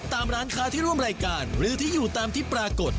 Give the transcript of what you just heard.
ตามร้านค้าที่ร่วมรายการหรือที่อยู่ตามที่ปรากฏ